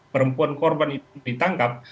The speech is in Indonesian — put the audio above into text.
perempuan korban itu ditangkap